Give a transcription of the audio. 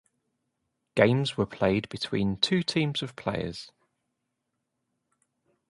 Games were played between two teams of players.